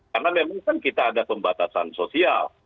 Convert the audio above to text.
karena memang kan kita ada pembatasan sosial